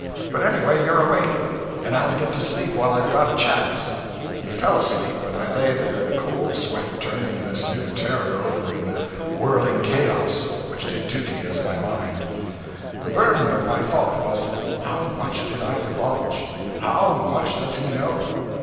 But anyway, you're awake, and I'll get to sleep while I've got a chance.' He fell asleep and I lay there in a cold sweat, turning this new terror over in the whirling chaos which did duty as my mind. The burden of my thought was, How much did I divulge? How much does he know?